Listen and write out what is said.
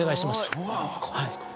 そうなんですか？